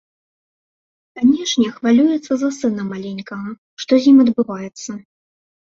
Канешне, хвалюецца за сына маленькага, што з ім адбываецца.